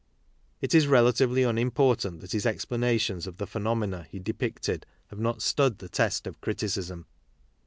It is relatively unim portant that his explanations of the phenomena he depicted have not stood the test of criticism.